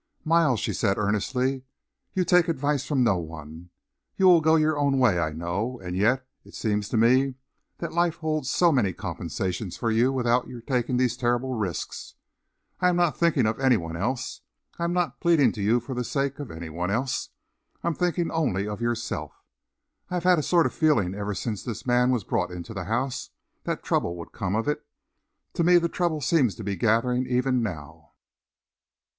"Miles," she said earnestly, "you take advice from no one. You will go your own way, I know. And yet, it seems to me that life holds so many compensations for you without your taking these terrible risks. I am not thinking of any one else. I am not pleading to you for the sake of any one else. I am thinking only of yourself. I have had a sort of feeling ever since this man was brought into the house, that trouble would come of it. To me the trouble seems to be gathering even now."